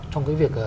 trong cái việc